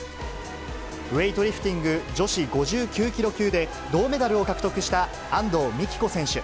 ウエイトリフティング女子５９キロ級で、銅メダルを獲得した安藤美希子選手。